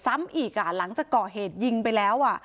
ซ้ำอีกหลังจากก่อเหตุยิงไปแล้ว